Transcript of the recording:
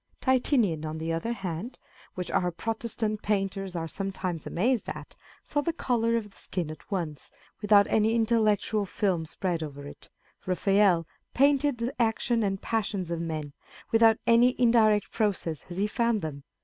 Titian, on the other hand (which our Protestant painters are sometimes amazed at), saw the colour of the skin at once, without any intellectual film spread over it ; Raphael painted the actions and passions of men, without any indirect process, as he found them.